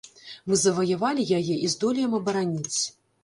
Мы заваявалі яе і здолеем абараніць.